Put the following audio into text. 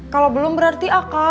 kalau belum berarti apa